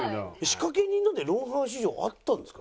仕掛け人なんて『ロンハー』史上あったんですか？